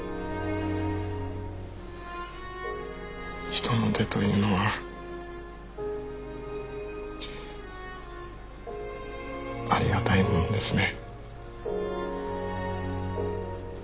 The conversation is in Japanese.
人の手というのはありがたいものですね。